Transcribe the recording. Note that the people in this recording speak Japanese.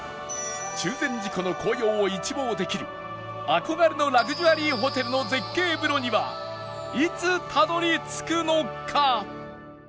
中禅寺湖の紅葉を一望できる憧れのラグジュアリーホテルの絶景風呂にはいつたどり着くのか？